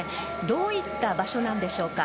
どういった場所なんでしょうか？